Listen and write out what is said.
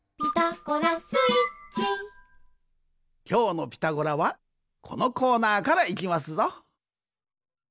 きょうの「ピタゴラ」はこのコーナーからいきますぞ！